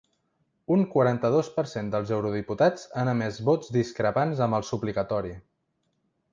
Un quaranta-dos per cent dels eurodiputats han emès vots discrepants amb el suplicatori.